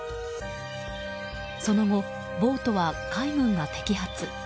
その後、ボートは海軍が摘発。